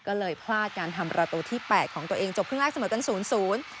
ก็เลยพลาดการทำประตูที่แปดของตัวเองจบครึ่งแรกเสมอเป็นศูนย์ศูนย์